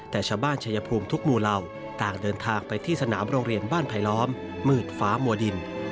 แต่ชาวบ้านชายภูมิทุกหมู่เหล่าต่างเดินทางไปที่สนามโรงเรียนบ้านไผลล้อมมืดฟ้ามัวดิน